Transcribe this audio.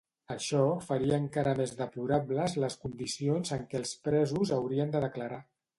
Això faria encara més deplorables les condicions en què els presos haurien de declarar.